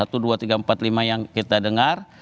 satu dua tiga empat lima yang kita dengar